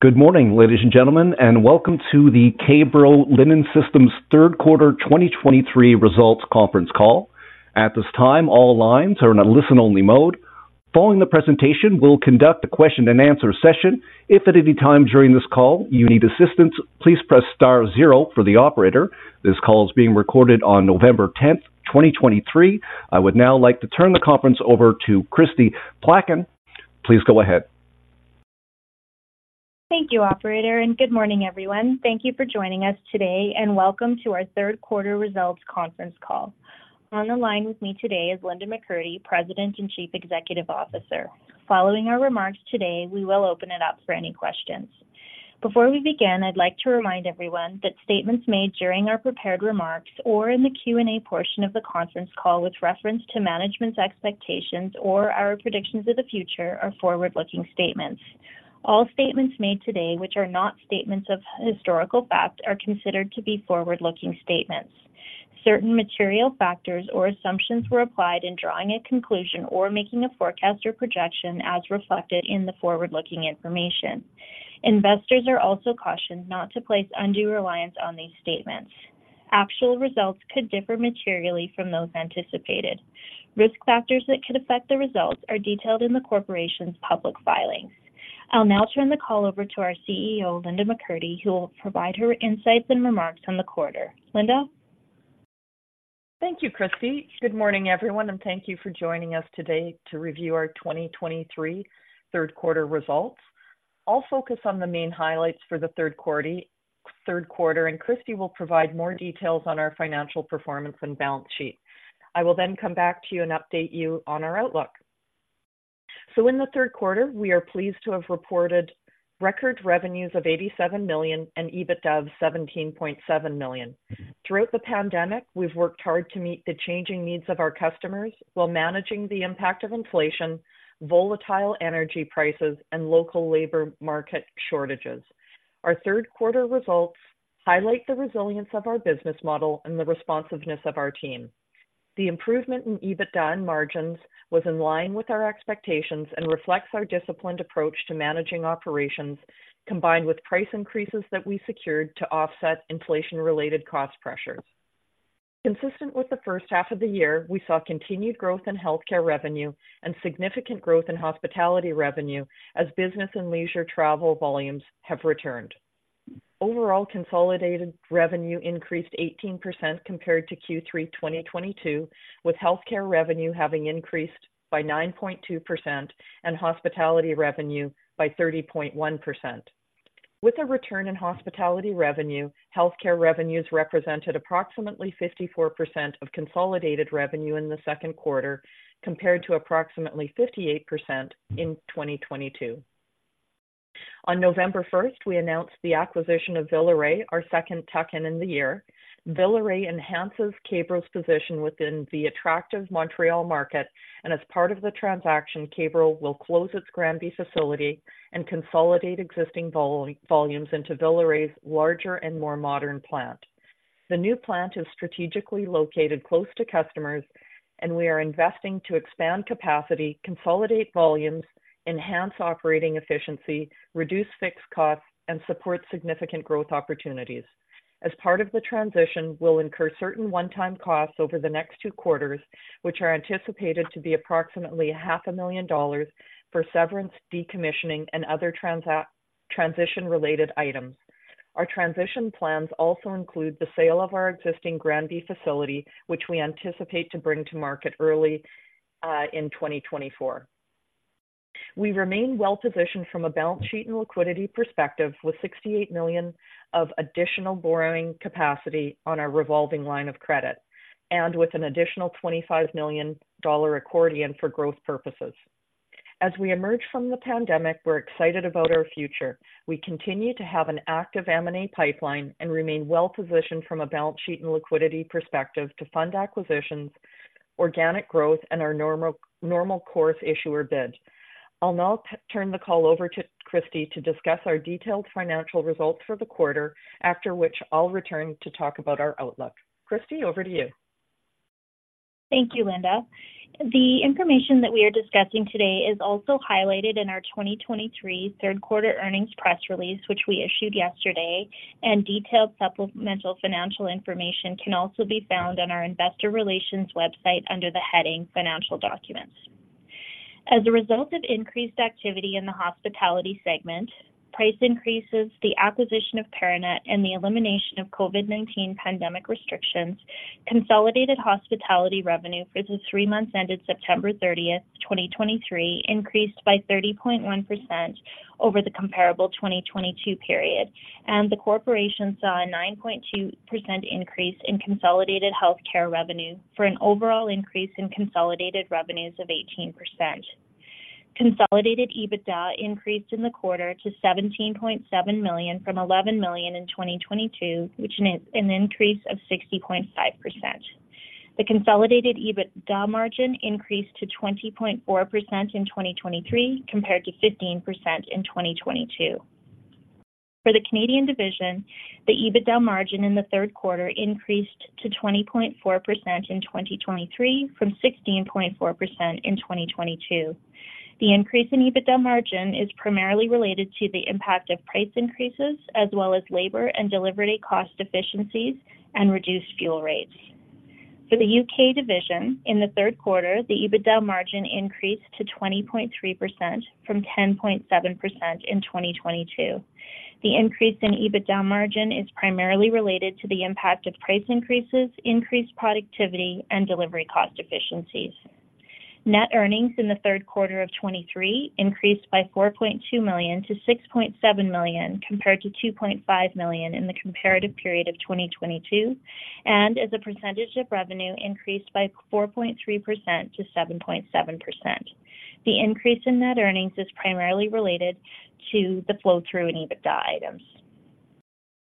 Good morning, ladies and gentlemen, and welcome to the K-Bro Linen Systems third quarter 2023 results conference call. At this time, all lines are in a listen-only mode. Following the presentation, we'll conduct a question and answer session. If at any time during this call you need assistance, please press star zero for the operator. This call is being recorded on November 10, 2023. I would now like to turn the conference over to Kristie Plaquin. Please go ahead. Thank you, operator, and good morning, everyone. Thank you for joining us today, and welcome to our third quarter results conference call. On the line with me today is Linda McCurdy, President and Chief Executive Officer. Following our remarks today, we will open it up for any questions. Before we begin, I'd like to remind everyone that statements made during our prepared remarks or in the Q&A portion of the conference call with reference to management's expectations or our predictions of the future are forward-looking statements. All statements made today, which are not statements of historical fact, are considered to be forward-looking statements. Certain material factors or assumptions were applied in drawing a conclusion or making a forecast or projection as reflected in the forward-looking information. Investors are also cautioned not to place undue reliance on these statements. Actual results could differ materially from those anticipated. Risk factors that could affect the results are detailed in the corporation's public filings. I'll now turn the call over to our CEO, Linda McCurdy, who will provide her insights and remarks on the quarter. Linda? Thank you, Kristie. Good morning, everyone, and thank you for joining us today to review our 2023 third quarter results. I'll focus on the main highlights for the third quarter, and Kristie will provide more details on our financial performance and balance sheet. I will then come back to you and update you on our outlook. In the third quarter, we are pleased to have reported record revenues of 87 million and EBITDA of 17.7 million. Throughout the pandemic, we've worked hard to meet the changing needs of our customers while managing the impact of inflation, volatile energy prices, and local labor market shortages. Our third quarter results highlight the resilience of our business model and the responsiveness of our team. The improvement in EBITDA and margins was in line with our expectations and reflects our disciplined approach to managing operations, combined with price increases that we secured to offset inflation-related cost pressures. Consistent with the first half of the year, we saw continued growth in healthcare revenue and significant growth in hospitality revenue as business and leisure travel volumes have returned. Overall, consolidated revenue increased 18% compared to Q3 2022, with healthcare revenue having increased by 9.2% and hospitality revenue by 30.1%. With a return in hospitality revenue, healthcare revenues represented approximately 54% of consolidated revenue in the second quarter, compared to approximately 58% in 2022. On November 1, we announced the acquisition of Villeray, our second tuck-in in the year. Villeray enhances K-Bro's position within the attractive Montréal market, and as part of the transaction, K-Bro will close its Granby facility and consolidate existing volumes into Villeray's larger and more modern plant. The new plant is strategically located close to customers, and we are investing to expand capacity, consolidate volumes, enhance operating efficiency, reduce fixed costs, and support significant growth opportunities. As part of the transition, we'll incur certain one-time costs over the next two quarters, which are anticipated to be approximately 500,000 dollars for severance, decommissioning, and other transition-related items. Our transition plans also include the sale of our existing Granby facility, which we anticipate to bring to market early in 2024. We remain well-positioned from a balance sheet and liquidity perspective, with 68 million of additional borrowing capacity on our revolving line of credit, and with an additional 25 million dollar accordion for growth purposes. As we emerge from the pandemic, we're excited about our future. We continue to have an active M&A pipeline and remain well-positioned from a balance sheet and liquidity perspective to fund acquisitions, organic growth, and our normal course issuer bid. I'll now turn the call over to Kristie to discuss our detailed financial results for the quarter, after which I'll return to talk about our outlook. Kristie, over to you. Thank you, Linda. The information that we are discussing today is also highlighted in our 2023 third quarter earnings press release, which we issued yesterday, and detailed supplemental financial information can also be found on our investor relations website under the heading Financial Documents. As a result of increased activity in the hospitality segment, price increases, the acquisition of Para-Net, and the elimination of COVID-19 pandemic restrictions, consolidated hospitality revenue for the 3 months ended September 30, 2023, increased by 30.1% over the comparable 2022 period, and the corporation saw a 9.2% increase in consolidated healthcare revenue for an overall increase in consolidated revenues of 18%. Consolidated EBITDA increased in the quarter to 17.7 million from 11 million in 2022, which is an increase of 60.5%. The consolidated EBITDA margin increased to 20.4% in 2023, compared to 15% in 2022. For the Canadian division, the EBITDA margin in the third quarter increased to 20.4% in 2023, from 16.4% in 2022. The increase in EBITDA margin is primarily related to the impact of price increases, as well as labor and delivery cost efficiencies and reduced fuel rates. For the UK division, in the third quarter, the EBITDA margin increased to 20.3% from 10.7% in 2022. The increase in EBITDA margin is primarily related to the impact of price increases, increased productivity, and delivery cost efficiencies. Net earnings in the third quarter of 2023 increased by 4.2 million to 6.7 million, compared to 2.5 million in the comparative period of 2022, and as a percentage of revenue, increased by 4.3% to 7.7%. The increase in net earnings is primarily related to the flow-through in EBITDA items.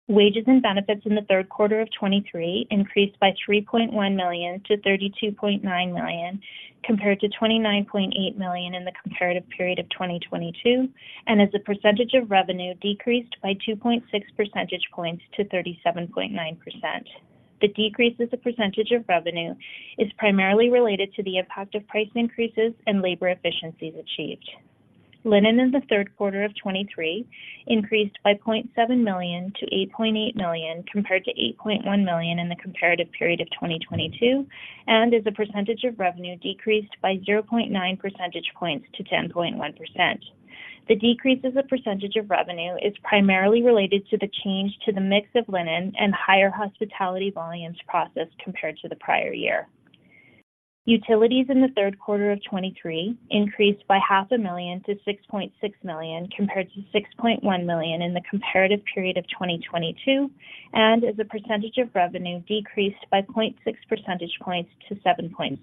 Wages and benefits in the third quarter of 2023 increased by 3.1 million to 32.9 million, compared to 29.8 million in the comparative period of 2022, and as a percentage of revenue, decreased by 2.6 percentage points to 37.9%. The decrease as a percentage of revenue is primarily related to the impact of price increases and labor efficiencies achieved. Linen in the third quarter of 2023 increased by 0.7 million to 8.8 million, compared to 8.1 million in the comparative period of 2022, and as a percentage of revenue, decreased by 0.9 percentage points to 10.1%. The decrease as a percentage of revenue is primarily related to the change to the mix of linen and higher hospitality volumes processed compared to the prior year. Utilities in the third quarter of 2023 increased by 0.5 million to 6.6 million, compared to 6.1 million in the comparative period of 2022, and as a percentage of revenue, decreased by 0.6 percentage points to 7.6%.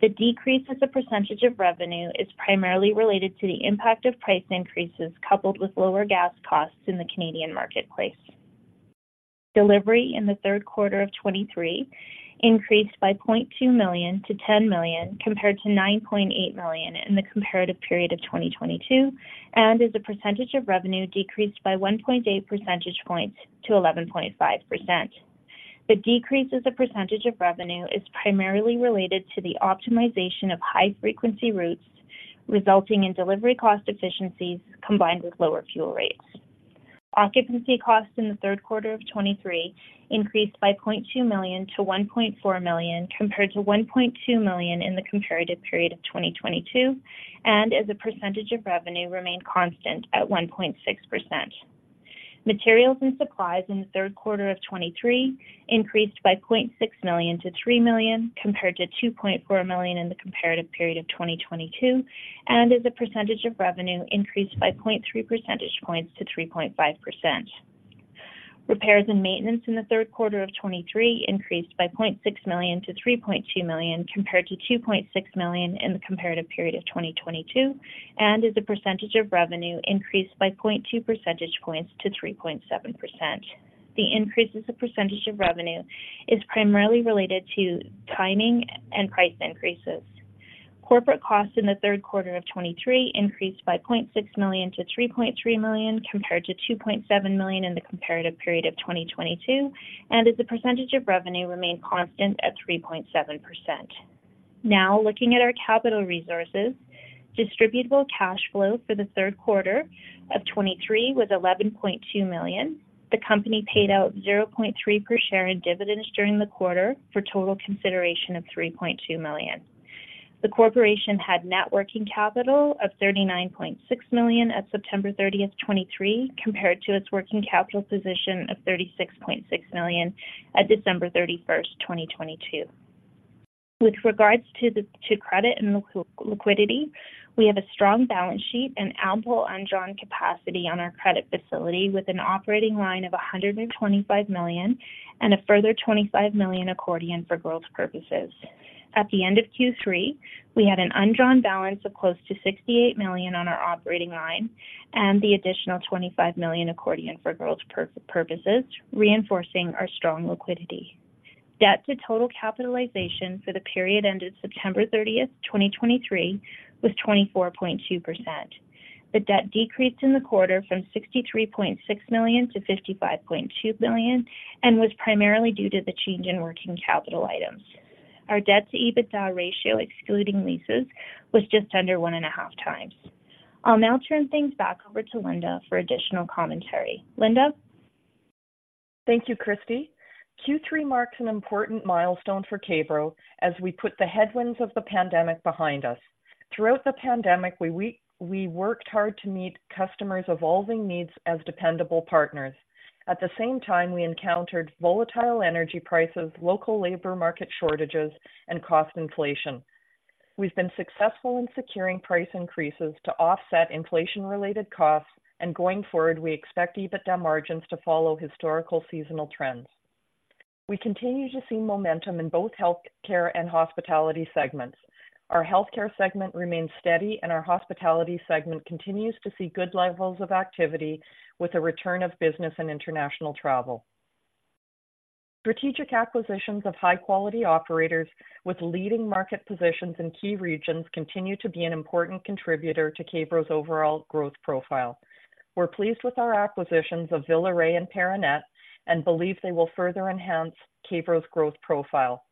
The decrease as a percentage of revenue is primarily related to the impact of price increases, coupled with lower gas costs in the Canadian marketplace. Delivery in the third quarter of 2023 increased by 0.2 million to 10 million, compared to 9.8 million in the comparative period of 2022, and as a percentage of revenue, decreased by 1.8 percentage points to 11.5%. The decrease as a percentage of revenue is primarily related to the optimization of high-frequency routes, resulting in delivery cost efficiencies combined with lower fuel rates. Occupancy costs in the third quarter of 2023 increased by 0.2 million to 1.4 million, compared to 1.2 million in the comparative period of 2022, and as a percentage of revenue, remained constant at 1.6%. Materials and supplies in the third quarter of 2023 increased by 0.6 million to 3 million, compared to 2.4 million in the comparative period of 2022, and as a percentage of revenue, increased by 0.3 percentage points to 3.5%. Repairs and maintenance in the third quarter of 2023 increased by 0.6 million to 3.2 million, compared to 2.6 million in the comparative period of 2022, and as a percentage of revenue, increased by 0.2 percentage points to 3.7%. The increase as a percentage of revenue is primarily related to timing and price increases. Corporate costs in the third quarter of 2023 increased by 0.6 million to 3.3 million, compared to 2.7 million in the comparative period of 2022, and as a percentage of revenue, remained constant at 3.7%. Now, looking at our capital resources. Distributable cash flow for the third quarter of 2023 was 11.2 million. The company paid out 0.3 per share in dividends during the quarter for total consideration of 3.2 million. The corporation had net working capital of 39.6 million at September 30, 2023, compared to its working capital position of 36.6 million at December 31, 2022. With regards to credit and liquidity, we have a strong balance sheet and ample undrawn capacity on our credit facility, with an operating line of 125 million and a further 25 million accordion for growth purposes. At the end of Q3, we had an undrawn balance of close to 68 million on our operating line and the additional 25 million accordion for growth purposes, reinforcing our strong liquidity. Debt-to-total capitalization for the period ended September 30, 2023, was 24.2%. The debt decreased in the quarter from 63.6 million to 55.2 million, and was primarily due to the change in working capital items. Our debt-to-EBITDA ratio, excluding leases, was just under 1.5 times. I'll now turn things back over to Linda for additional commentary. Linda? Thank you, Kristie. Q3 marks an important milestone for K-Bro as we put the headwinds of the pandemic behind us. Throughout the pandemic, we worked hard to meet customers' evolving needs as dependable partners. At the same time, we encountered volatile energy prices, local labor market shortages, and cost inflation. We've been successful in securing price increases to offset inflation-related costs, and going forward, we expect EBITDA margins to follow historical seasonal trends. We continue to see momentum in both healthcare and hospitality segments. Our healthcare segment remains steady, and our hospitality segment continues to see good levels of activity with the return of business and international travel. Strategic acquisitions of high-quality operators with leading market positions in key regions continue to be an important contributor to K-Bro's overall growth profile. We're pleased with our acquisitions of Villeray and Para-Net, and believe they will further enhance K-Bro's growth profile.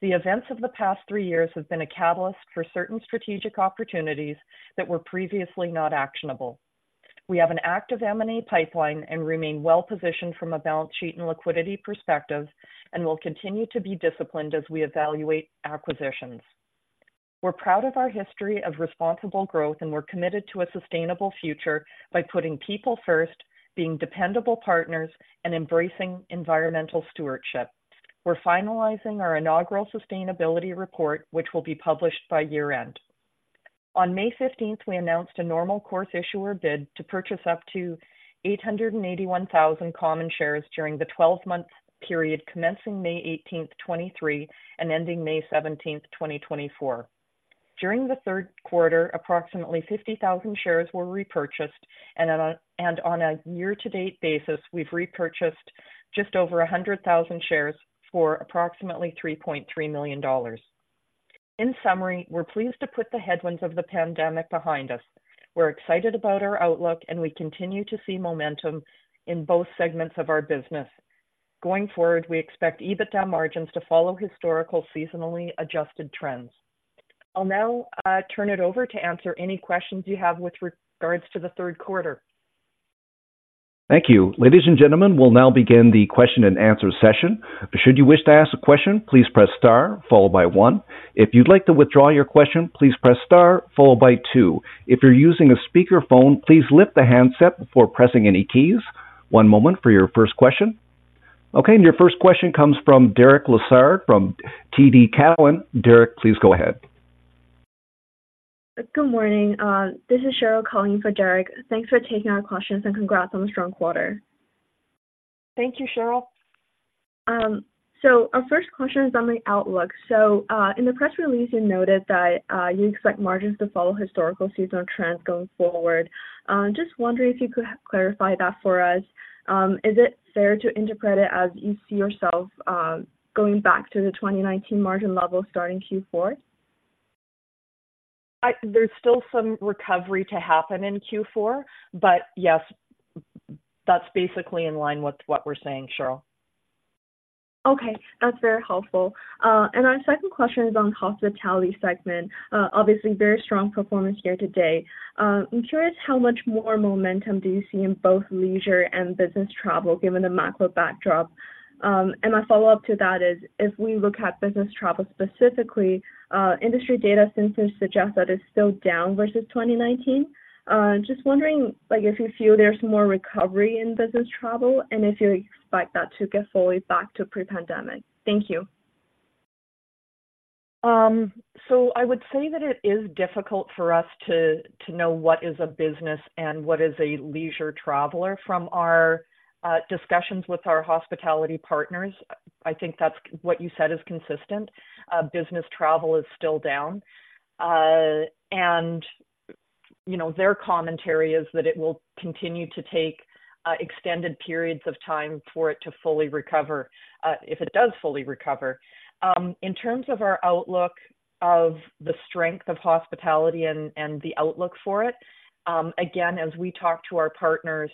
The events of the past three years have been a catalyst for certain strategic opportunities that were previously not actionable. We have an active M&A pipeline and remain well-positioned from a balance sheet and liquidity perspective, and will continue to be disciplined as we evaluate acquisitions. We're proud of our history of responsible growth, and we're committed to a sustainable future by putting people first, being dependable partners, and embracing environmental stewardship. We're finalizing our inaugural sustainability report, which will be published by year-end. On May fifteenth, we announced a normal course issuer bid to purchase up to 881,000 common shares during the twelve-month period commencing May eighteenth, 2023, and ending May seventeenth, 2024. During the third quarter, approximately 50,000 shares were repurchased, and on a year-to-date basis, we've repurchased just over 100,000 shares for approximately 3.3 million dollars. In summary, we're pleased to put the headwinds of the pandemic behind us. We're excited about our outlook, and we continue to see momentum in both segments of our business. Going forward, we expect EBITDA margins to follow historical, seasonally adjusted trends. I'll now turn it over to answer any questions you have with regards to the third quarter. Thank you. Ladies and gentlemen, we'll now begin the question and answer session. Should you wish to ask a question, please press star followed by one. If you'd like to withdraw your question, please press star followed by two. If you're using a speakerphone, please lift the handset before pressing any keys. One moment for your first question. Okay, and your first question comes from Derek Lessard, from TD Cowen. Derek, please go ahead. Good morning, this is Cheryl calling for Derek. Thanks for taking our questions, and congrats on the strong quarter. Thank you, Cheryl. So our first question is on the outlook. So, in the press release, you noted that you expect margins to follow historical seasonal trends going forward. Just wondering if you could clarify that for us. Is it fair to interpret it as you see yourself going back to the 2019 margin level starting Q4? There's still some recovery to happen in Q4, but yes, that's basically in line with what we're saying, Cheryl. Okay, that's very helpful. Our second question is on hospitality segment. Obviously very strong performance year to date. I'm curious, how much more momentum do you see in both leisure and business travel, given the macro backdrop? My follow-up to that is, if we look at business travel specifically, industry data since then suggests that it's still down versus 2019. Just wondering, like, if you feel there's more recovery in business travel and if you expect that to get fully back to pre-pandemic. Thank you. So I would say that it is difficult for us to know what is a business and what is a leisure traveler. From our discussions with our hospitality partners, I think that's what you said is consistent. Business travel is still down. And, you know, their commentary is that it will continue to take extended periods of time for it to fully recover, if it does fully recover. In terms of our outlook of the strength of hospitality and the outlook for it, again, as we talk to our partners,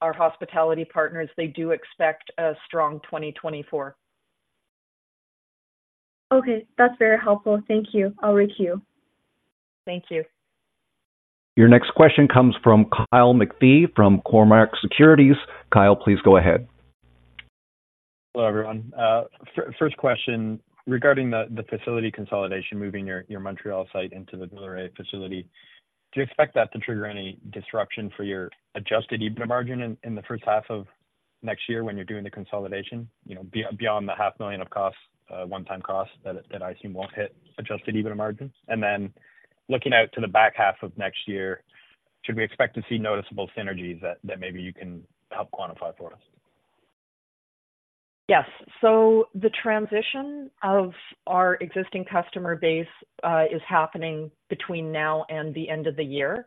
our hospitality partners, they do expect a strong 2024. Okay, that's very helpful. Thank you. I'll queue. Thank you. Your next question comes from Kyle McPhee from Cormark Securities. Kyle, please go ahead. Hello, everyone. First question regarding the facility consolidation, moving your Montréal site into the Villeray facility. Do you expect that to trigger any disruption for your adjusted EBITDA margin in the first half of next year when you're doing the consolidation, you know, beyond the 500,000 of costs, one-time costs that I assume won't hit adjusted EBITDA margins? And then, looking out to the back half of next year, should we expect to see noticeable synergies that maybe you can help quantify for us? Yes. So the transition of our existing customer base is happening between now and the end of the year,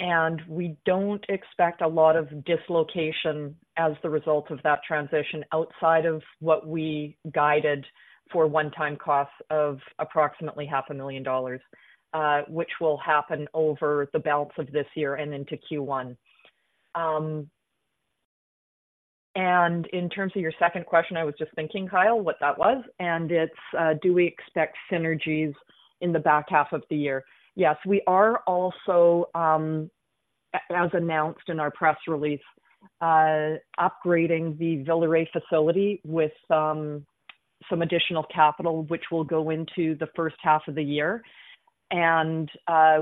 and we don't expect a lot of dislocation as the result of that transition, outside of what we guided for one-time costs of approximately 500,000 dollars, which will happen over the balance of this year and into Q1. In terms of your second question, I was just thinking, Kyle, what that was, and it's do we expect synergies in the back half of the year? Yes, we are also, as announced in our press release, upgrading the Villeray facility with some additional capital, which will go into the first half of the year.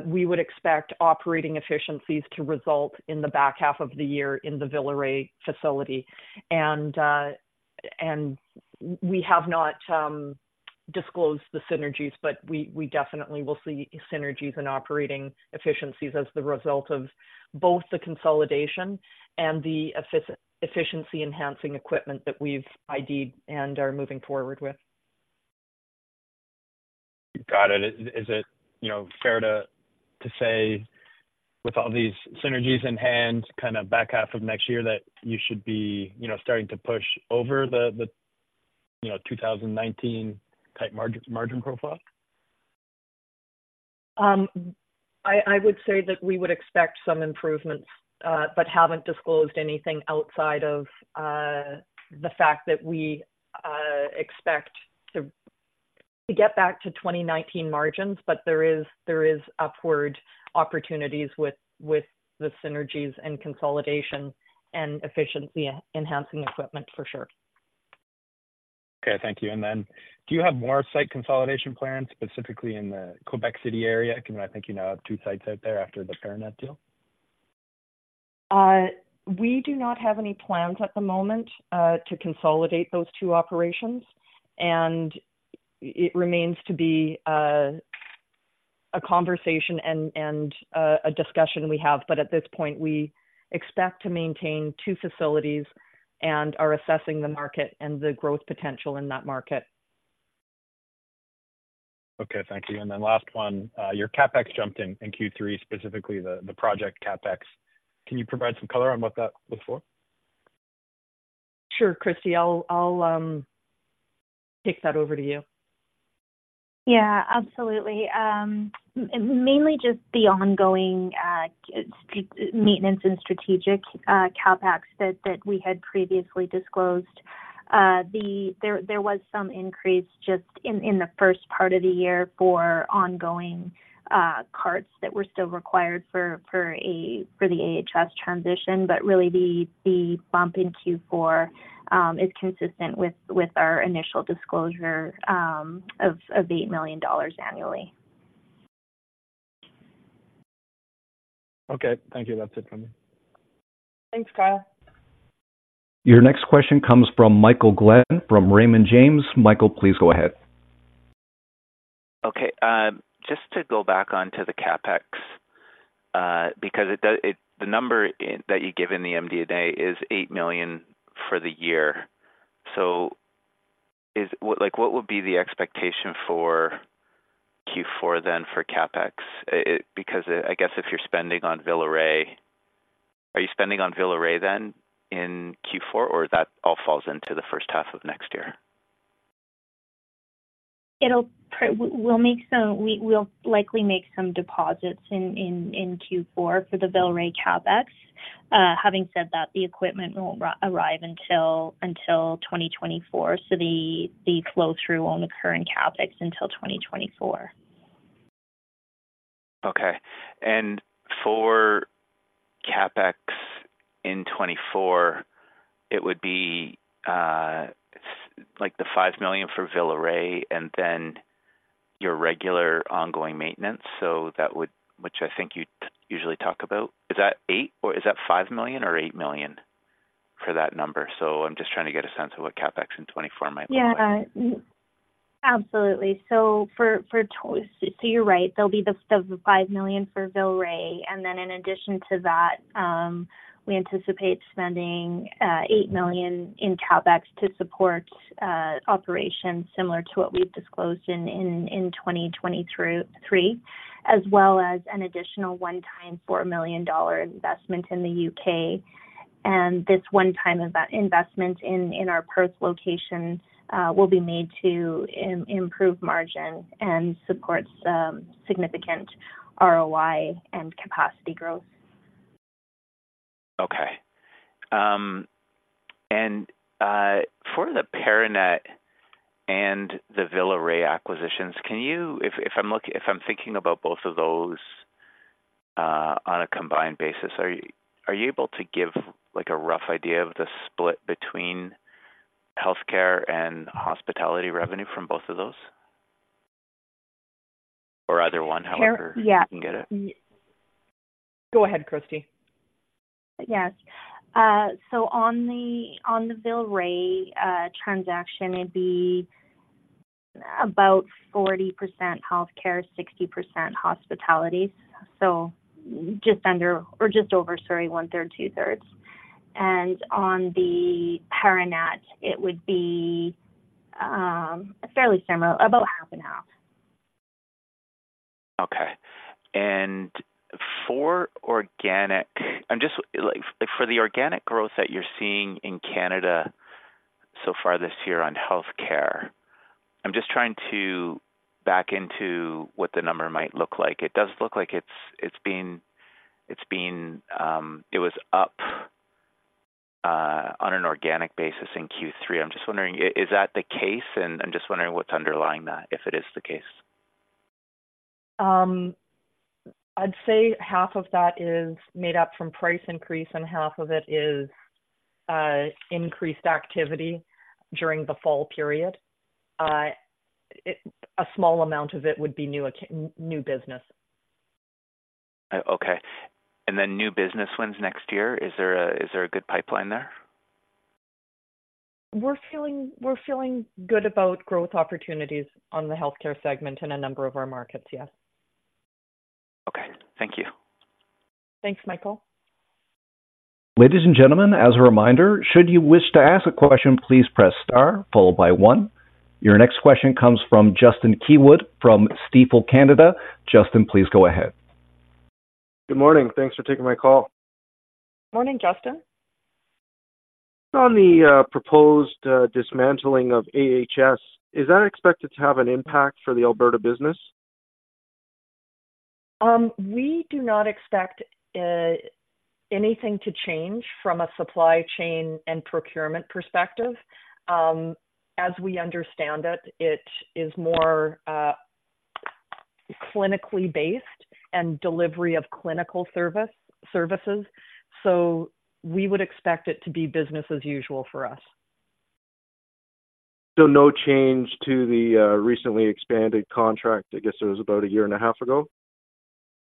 We would expect operating efficiencies to result in the back half of the year in the Villeray facility. We have not disclosed the synergies, but we definitely will see synergies and operating efficiencies as the result of both the consolidation and the efficiency-enhancing equipment that we've IDed and are moving forward with.... Got it. Is it, you know, fair to say with all these synergies in hand, kind of back half of next year, that you should be, you know, starting to push over the you know, 2019 type margin profile? I would say that we would expect some improvements, but haven't disclosed anything outside of the fact that we expect to get back to 2019 margins. But there is upward opportunities with the synergies and consolidation and efficiency enhancing equipment, for sure. Okay, thank you. Do you have more site consolidation plans, specifically in the Québec City area? I think you now have two sites out there after the Para-Net deal. We do not have any plans at the moment to consolidate those two operations, and it remains to be a conversation and a discussion we have. But at this point, we expect to maintain two facilities and are assessing the market and the growth potential in that market. Okay, thank you. And then last one, your CapEx jumped in Q3, specifically the project CapEx. Can you provide some color on what that was for? Sure. Kristie, I'll kick that over to you. Yeah, absolutely. Mainly just the ongoing maintenance and strategic CapEx that we had previously disclosed. There was some increase just in the first part of the year for ongoing carts that were still required for the AHS transition. But really the bump in Q4 is consistent with our initial disclosure of CAD 8 million annually. Okay, thank you. That's it for me. Thanks, Kyle. Your next question comes from Michael Glen, from Raymond James. Michael, please go ahead. Okay, just to go back on to the CapEx, because the number that you give in the MD&A is 8 million for the year. So is... Like, what would be the expectation for Q4 then for CapEx? Because I guess if you're spending on Villeray, are you spending on Villeray then in Q4, or that all falls into the first half of next year? We'll likely make some deposits in Q4 for the Villeray CapEx. Having said that, the equipment won't arrive until 2024, so the flow-through won't occur in CapEx until 2024. Okay. And for CapEx in 2024, it would be, like, the 5 million for Villeray and then your regular ongoing maintenance. So that would, which I think you'd usually talk about. Is that eight, or is that 5 million or 8 million for that number? So I'm just trying to get a sense of what CapEx in 2024 might look like. Yeah, absolutely. So you're right, there'll be the 5 million for Villeray, and then in addition to that, we anticipate spending 8 million in CapEx to support operations similar to what we've disclosed in 2023, as well as an additional one-time GBP 4 million investment in the U.K. And this one-time investment in our Perth location will be made to improve margin and supports significant ROI and capacity growth. Okay. And for the Para-Net and the Villeray acquisitions, can you... If I'm thinking about both of those on a combined basis, are you able to give, like, a rough idea of the split between healthcare and hospitality revenue from both of those? Or either one, however- Yeah... you can get it. Go ahead, Kristie. Yes. So on the Villeray transaction, it'd be about 40% healthcare, 60% hospitality. So just under or just over, sorry, 1/3, 2/3. And on the Para-Net, it would be fairly similar, about 50/50. Okay. And for organic, I'm just, like, for the organic growth that you're seeing in Canada so far this year on healthcare, I'm just trying to back into what the number might look like. It does look like it's been up on an organic basis in Q3. I'm just wondering, is that the case? And I'm just wondering what's underlying that, if it is the case. I'd say half of that is made up from price increase, and half of it is increased activity during the fall period. A small amount of it would be new business. Okay. And then new business wins next year, is there a good pipeline there? We're feeling, we're feeling good about growth opportunities on the healthcare segment in a number of our markets, yes. ... Thank you. Thanks, Michael. Ladies and gentlemen, as a reminder, should you wish to ask a question, please press star followed by one. Your next question comes from Justin Keywood from Stifel Canada. Justin, please go ahead. Good morning. Thanks for taking my call. Morning, Justin. On the proposed dismantling of AHS, is that expected to have an impact for the Alberta business? We do not expect anything to change from a supply chain and procurement perspective. As we understand it, it is more clinically based and delivery of clinical services, so we would expect it to be business as usual for us. So no change to the recently expanded contract, I guess it was about a year and a half ago?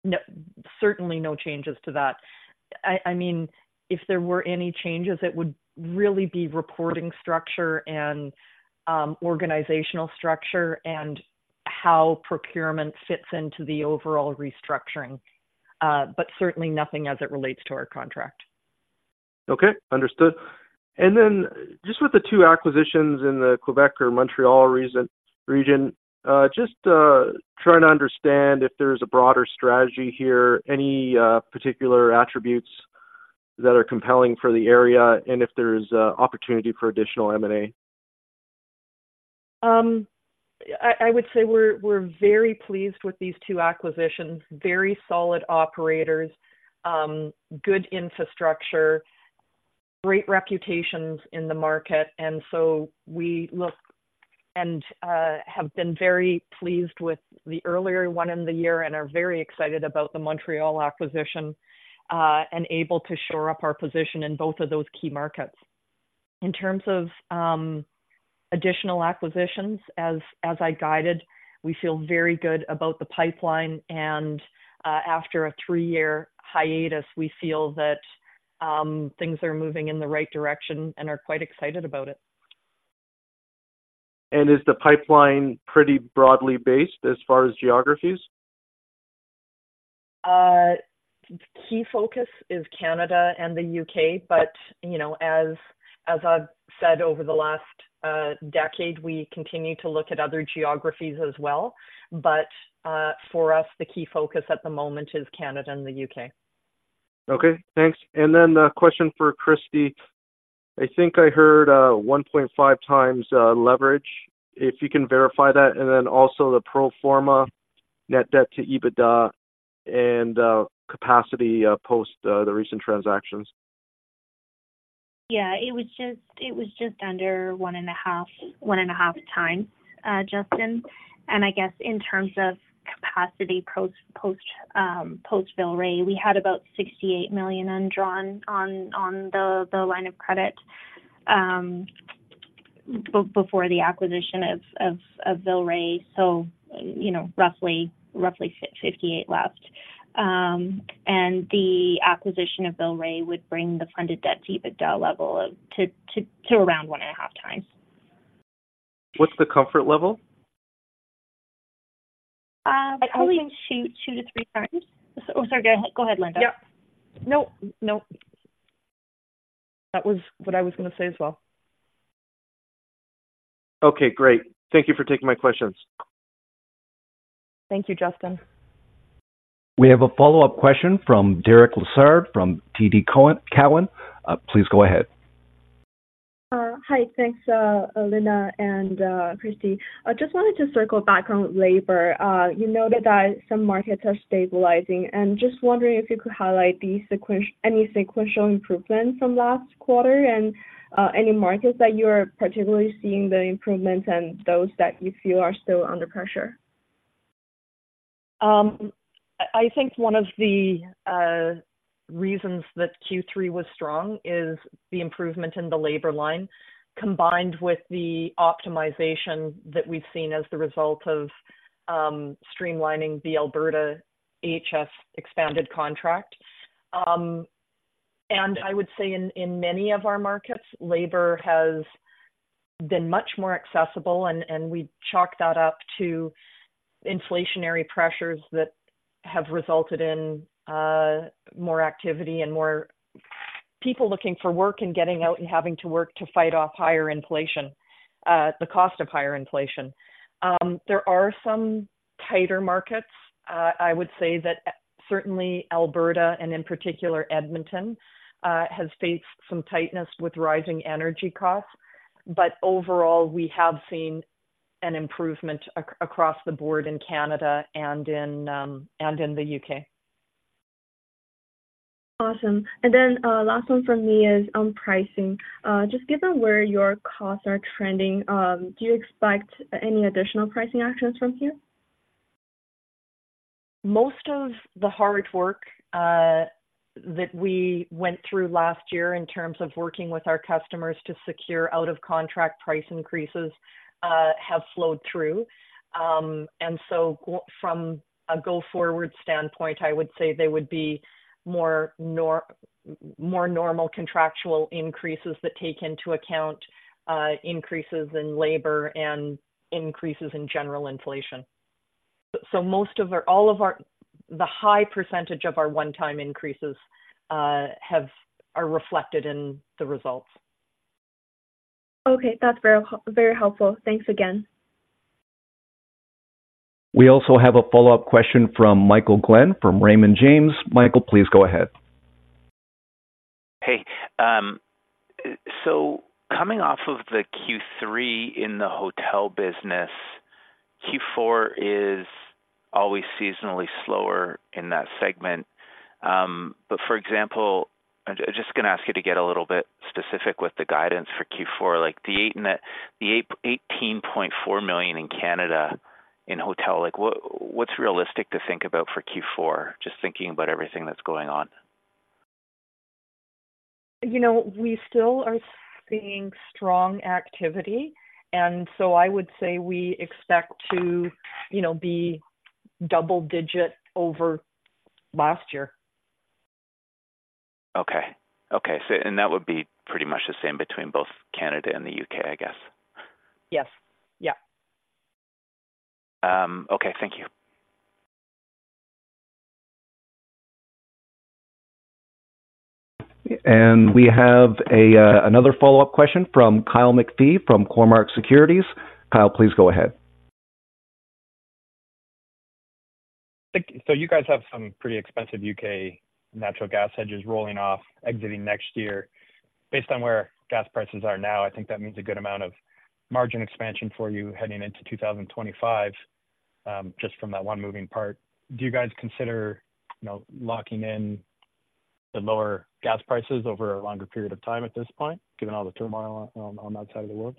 No, certainly no changes to that. I mean, if there were any changes, it would really be reporting structure and organizational structure and how procurement fits into the overall restructuring. But certainly nothing as it relates to our contract. Okay, understood. And then just with the two acquisitions in the Québec or Montréal region, trying to understand if there's a broader strategy here, any particular attributes that are compelling for the area and if there's opportunity for additional M&A? I would say we're very pleased with these two acquisitions. Very solid operators, good infrastructure, great reputations in the market, and so we look and have been very pleased with the earlier one in the year and are very excited about the Montréal acquisition, and able to shore up our position in both of those key markets. In terms of additional acquisitions, as I guided, we feel very good about the pipeline and, after a three-year hiatus, we feel that things are moving in the right direction and are quite excited about it. Is the pipeline pretty broadly based as far as geographies? Key focus is Canada and the U.K., but, you know, as I've said over the last decade, we continue to look at other geographies as well. But, for us, the key focus at the moment is Canada and the U.K. Okay, thanks. And then a question for Kristie. I think I heard 1.5 times leverage, if you can verify that, and then also the pro forma net debt to EBITDA and capacity post the recent transactions. Yeah, it was just, it was just under 1.5, 1.5 times, Justin, and I guess in terms of capacity, post Villeray, we had about 68 million undrawn on the line of credit before the acquisition of Villeray, so, you know, roughly 58 left. And the acquisition of Villeray would bring the funded debt to EBITDA level of to around 1.5 times. What's the comfort level? Probably 2, 2-3 times. Oh, sorry, go ahead, Linda. Yeah. Nope, nope. That was what I was gonna say as well. Okay, great. Thank you for taking my questions. Thank you, Justin. We have a follow-up question from Derek Lessard, from TD Cowen. Please go ahead. Hi. Thanks, Linda and Kristie. I just wanted to circle back on labor. You noted that some markets are stabilizing, and just wondering if you could highlight any sequential improvement from last quarter and any markets that you are particularly seeing the improvements and those that you feel are still under pressure. I, I think one of the reasons that Q3 was strong is the improvement in the labor line, combined with the optimization that we've seen as the result of streamlining the Alberta AHS expanded contract. I would say in many of our markets, labor has been much more accessible, and we chalk that up to inflationary pressures that have resulted in more activity and more people looking for work and getting out and having to work to fight off higher inflation, the cost of higher inflation. There are some tighter markets. I would say that certainly Alberta, and in particular Edmonton, has faced some tightness with rising energy costs. But overall, we have seen an improvement across the board in Canada and in the U.K. Awesome. And then, last one from me is on pricing. Just given where your costs are trending, do you expect any additional pricing actions from here? Most of the hard work that we went through last year in terms of working with our customers to secure out-of-contract price increases have flowed through. And so from a go-forward standpoint, I would say there would be more normal contractual increases that take into account increases in labor and increases in general inflation. So most of our, all of our, the high percentage of our one-time increases have are reflected in the results. Okay, that's very helpful. Thanks again. We also have a follow-up question from Michael Glen from Raymond James. Michael, please go ahead. Hey, so coming off of the Q3 in the hotel business, Q4 is always seasonally slower in that segment. But for example, I'm just gonna ask you to get a little bit specific with the guidance for Q4, like the 8, the 8, 18.4 million in Canada in hotel. Like, what's realistic to think about for Q4? Just thinking about everything that's going on. You know, we still are seeing strong activity, and so I would say we expect to, you know, be double digit over last year. Okay. Okay, so and that would be pretty much the same between both Canada and the U.K., I guess? Yes. Yeah. Okay. Thank you. We have another follow-up question from Kyle McPhee from Cormark Securities. Kyle, please go ahead. Thank you. So you guys have some pretty expensive U.K. natural gas hedges rolling off, exiting next year. Based on where gas prices are now, I think that means a good amount of margin expansion for you heading into 2025, just from that one moving part. Do you guys consider, you know, locking in the lower gas prices over a longer period of time at this point, given all the turmoil on, on that side of the world?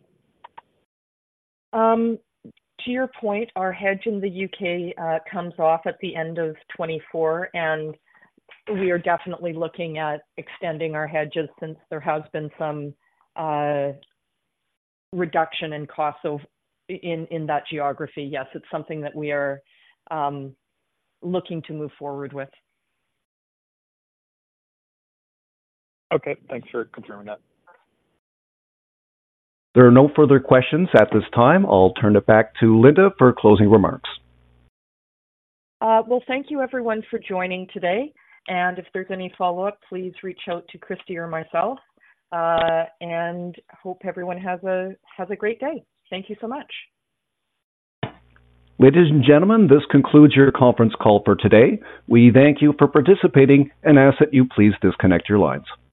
To your point, our hedge in the U.K. comes off at the end of 2024, and we are definitely looking at extending our hedges since there has been some reduction in costs in that geography. Yes, it's something that we are looking to move forward with. Okay, thanks for confirming that. There are no further questions at this time. I'll turn it back to Linda for closing remarks. Well, thank you everyone for joining today, and if there's any follow-up, please reach out to Kristie or myself. Hope everyone has a great day. Thank you so much. Ladies and gentlemen, this concludes your conference call for today. We thank you for participating and ask that you please disconnect your lines.